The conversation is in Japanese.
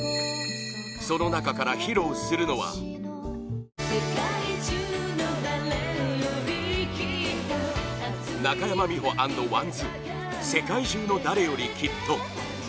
その中から、披露するのは中山美穂＆ＷＡＮＤＳ「世界中の誰よりきっと」